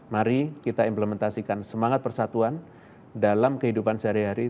mari kita implementasikan semangat persatuan dalam kehidupan sehari hari